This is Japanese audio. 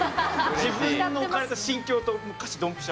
自分の置かれた心境と歌詞ドンピシャ？